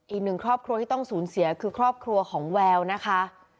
อีกหนึ่งครอบครัวที่ต้องสูญเสียคือครอบครัวของแววนะคะ